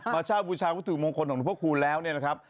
พระเจ้าบูชาววัตถุมงคลของรูบพกคูณแล้วเลยนะครับ